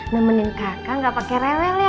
nemenin kakak gak pakai rewel ya